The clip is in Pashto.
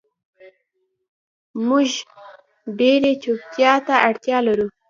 مونږ ډیرې چوپتیا ته اړتیا لرو